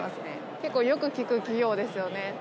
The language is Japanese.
結構よく聞く企業ですよね。